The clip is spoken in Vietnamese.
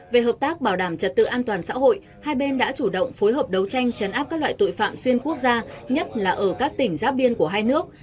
về hợp tác bảo đảm trật tự an toàn xã hội hai bên đã chủ động phối hợp đấu tranh chấn áp các loại tội phạm xuyên quốc gia nhất là ở các tỉnh giáp biên của hai nước